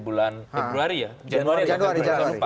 bulan februari ya januari